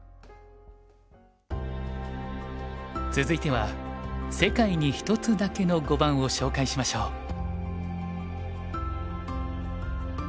続いては世界に一つだけの碁盤を紹介しましょう。